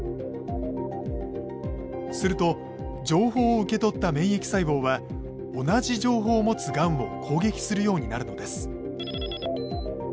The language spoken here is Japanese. すると情報を受け取った免疫細胞は同じ情報を持つがんを攻撃するようになるのです。